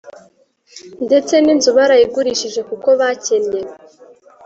ndetse n’inzu barayigurisha kuko bakennye.